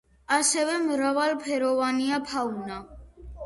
ასევე მრავალფეროვანია ფაუნა.